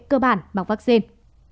cơ bản bằng vaccine